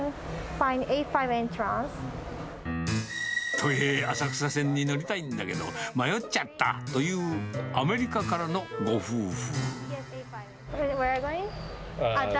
都営浅草線に乗りたいんだけど、迷っちゃったというアメリカからのご夫婦。